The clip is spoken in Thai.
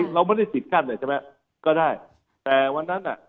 เราไม่ได้ปิดกั้นเลยใช่ไหมก็ได้แต่วันนั้นอ่ะ